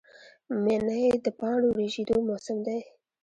منی د پاڼو ریژیدو موسم دی